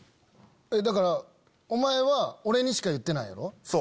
だからお前は俺にしか言ってないやろ。